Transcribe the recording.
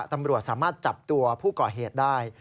ตำรวจสามารถจับตัวผู้ก่อเหตุได้